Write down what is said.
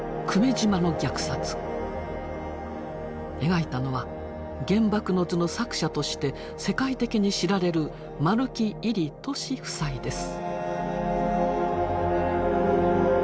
描いたのは「原爆の図」の作者として世界的に知られる丸木位里・俊夫妻です。